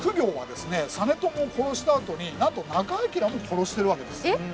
実朝を殺したあとになんと仲章も殺してるわけです。